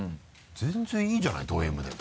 全然いいじゃないドＭでも。